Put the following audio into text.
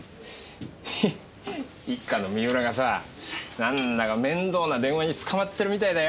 へへ一課の三浦がさなんだか面倒な電話に捕まってるみたいだよ。